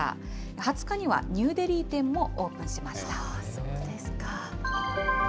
２０日にはニューデリー店もオープンしました。